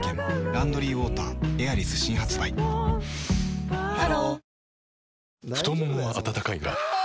「ランドリーウォーターエアリス」新発売ハロー太ももは温かいがあ！